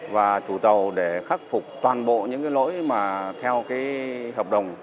và chủ tàu để khắc phục toàn bộ những cái lỗi mà theo cái hợp đồng